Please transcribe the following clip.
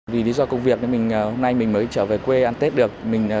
vì lý do công việc mình hôm nay mình mới trở về quê ăn tết được